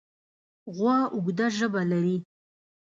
غوا اوږده ژبه لري.